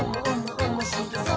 おもしろそう！」